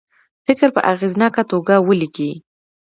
فکر په اغیزناکه توګه ولیکي.